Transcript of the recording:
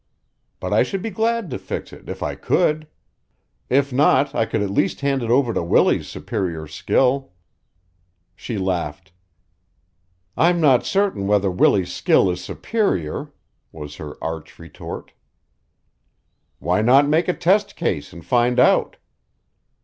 "But I should be glad to fix it if I could. If not, I could at least hand it over to Willie's superior skill." She laughed. "I'm not certain whether Willie's skill is superior," was her arch retort. "Why not make a test case and find out?"